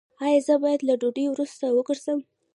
ایا زه باید له ډوډۍ وروسته وګرځم؟